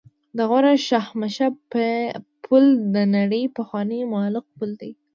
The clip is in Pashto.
د غور شاهمشه پل د نړۍ پخوانی معلق پل دی